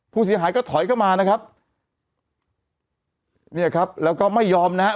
ผู้เสียหายก็ถอยเข้ามานะครับเนี่ยครับแล้วก็ไม่ยอมนะฮะ